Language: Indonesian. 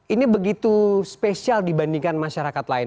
ini begitu spesial dibandingkan masyarakat lain